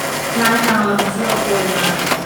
Lai tlang lam cu a kawi ngai.